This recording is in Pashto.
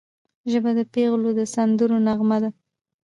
ژبه د پېغلو د سندرو خوږه نغمه ده